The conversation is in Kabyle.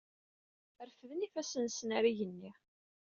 Refden ifassen-nsen ar yigenni.